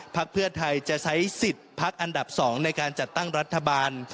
เพื่อไทยจะใช้สิทธิ์พักอันดับ๒ในการจัดตั้งรัฐบาล